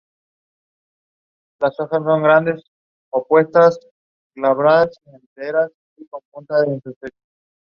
Otra copia se exhibe en el patio del Alcázar de Toledo.